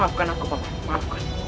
maafkan aku paman